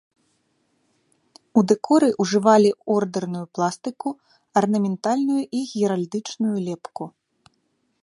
У дэкоры ўжывалі ордэрную пластыку, арнаментальную і геральдычную лепку.